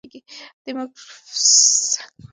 ډیډیموس او ډیمورفوس د ټکر امکان نه لري.